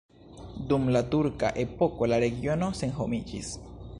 Dum la turka epoko la regiono senhomiĝis.